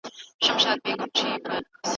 دغه پړاوونه د دولتونو ژوند تضمینوي.